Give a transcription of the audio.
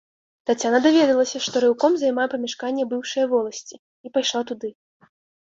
Таццяна даведалася, што рэўком займае памяшканне быўшае воласці, і пайшла туды.